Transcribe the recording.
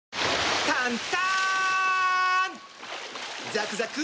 ザクザク！